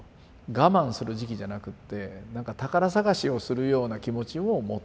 我慢する時期じゃなくってなんか宝探しをするような気持ちを持とう一方でっていう。